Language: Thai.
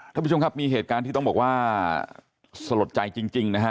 ท่านผู้ชมครับมีเหตุการณ์ที่ต้องบอกว่าสลดใจจริงนะฮะ